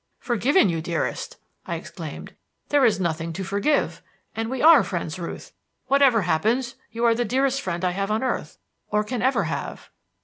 "Forgiven you, dearest!" I exclaimed. "There is nothing to forgive. And we are friends, Ruth. Whatever happens, you are the dearest friend I have on earth, or can ever have."